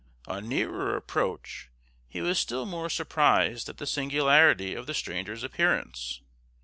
On nearer approach, he was still more surprised at the singularity of the stranger's appearance.